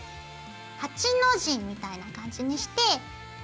８の字みたいな感じにして。